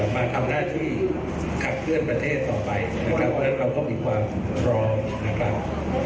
มาทำหน้าที่ขับเคลื่อนประเทศต่อไปนะครับเพราะฉะนั้นเราก็มีความพร้อมนะครับ